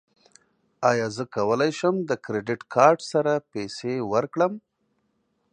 ایا زه کولی شم د کریډیټ کارت سره پیسې ورکړم؟